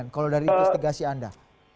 kalau dari investigasi anda